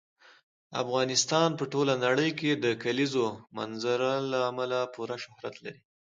افغانستان په ټوله نړۍ کې د کلیزو منظره له امله پوره شهرت لري.